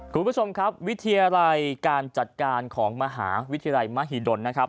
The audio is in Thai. คุณผู้ชมครับวิทยาลัยการจัดการของมหาวิทยาลัยมหิดลนะครับ